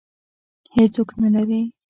هېڅوک نه لري